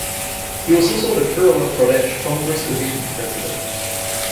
He was also the Kerala Pradesh Congress Committee President.